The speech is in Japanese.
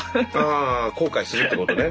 あ後悔するってことね。